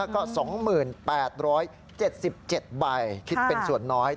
ก็๒๘๗๗ใบคิดเป็นส่วนน้อย